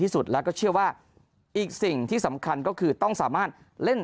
สุดแล้วก็เชื่อว่าอีกสิ่งที่สำคัญก็คือต้องสามารถเล่น